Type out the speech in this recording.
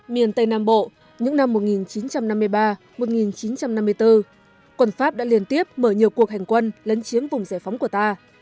miền tây nam bộ những năm một nghìn chín trăm năm mươi ba một nghìn chín trăm năm mươi bốn quân pháp đã liên tiếp mở nhiều cuộc hành quân lấn chiếm vùng giải phóng của ta